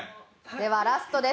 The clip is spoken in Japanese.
ではラストです。